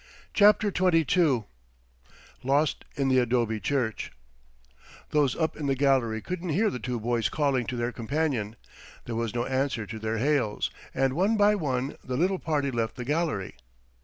CHAPTER XXII LOST IN THE ADOBE CHURCH Those up in the gallery could hear the two boys calling to their companion. There was no answer to their hails, and one by one the little party left the gallery.